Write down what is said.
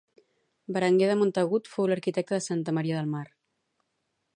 Berenguer de Montagut fou l'arquitecte de Santa Maria de la Mar